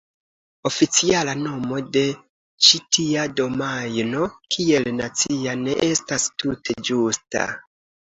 Oficiala nomo de ĉi tia domajno kiel "nacia" ne estas tute ĝusta.